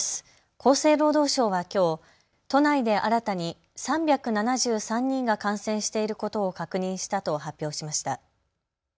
厚生労働省はきょう都内で新たに３７３人が感染していることを確認したと発表しました。